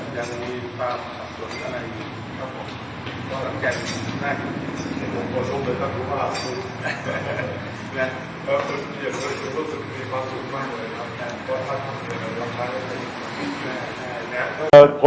และพูดกรุงรามสูตรสูงสูญมากเลยครับแก่นพ่อถ้าธังเกี่ยวกันก็จะยุ่งได้กว่านี้ครับ